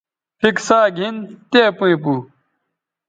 پِھک ساگِھن تے پئیں پو